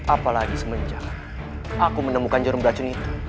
apalagi semenjak aku menemukan jarum beracun itu